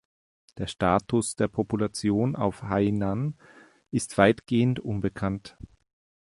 Der Status der Population auf Hainan ist weitgehend unbekannt.